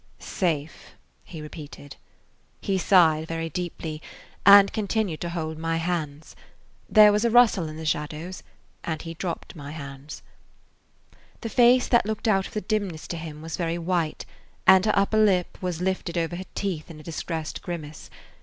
"Safe," he repeated. He sighed very deeply and continued to hold my hands. There was a rustle in the shadows, and he dropped my hands. The face that looked out of the dimness to him was very white, and her upper lip was lifted over her teeth in a distressed grimace.